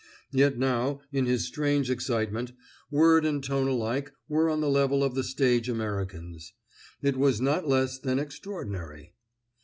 Yet now, in his strange excitement, word and tone alike were on the level of the stage American's. It was not less than extraordinary.